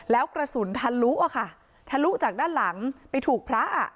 แล้วกระสุนทะลุอ่ะค่ะทะลุจากด้านหลังไปถูกพระ